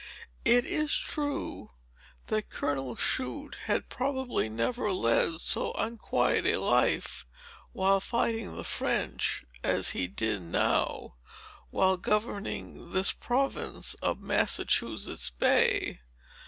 "It is true, that Colonel Shute had probably never led so unquiet a life while fighting the French, as he did now, while governing this province of Massachusetts Bay.